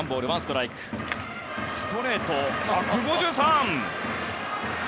ストレート、１５３！